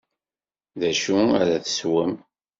D acu ara teswem?